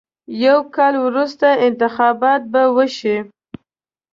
یو کال وروسته انتخابات به وشي.